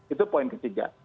itu poin ke tiga